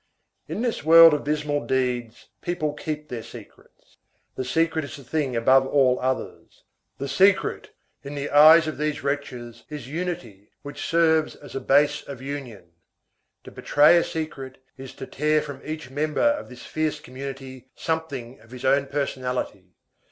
In this world of dismal deeds, people keep their secrets. The secret is the thing above all others. The secret, in the eyes of these wretches, is unity which serves as a base of union. To betray a secret is to tear from each member of this fierce community something of his own personality.